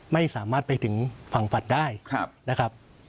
ไม่สามารถไปถึงฝั่งฝันได้นะครับ